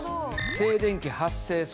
静電気発生装置。